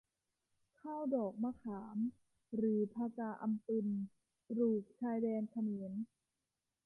ข้าวดอกมะขาม หรือผกาอำปึญ ปลูกชายแดนเขมร